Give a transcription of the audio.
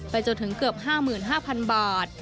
จนถึงเกือบ๕๕๐๐๐บาท